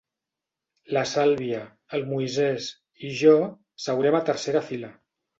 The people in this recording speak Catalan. La Sàlvia, el Moisès i jo seurem a tercera fila.